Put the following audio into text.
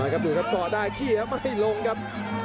ดูครับต่อได้ขี้แล้วไม่ลงครับ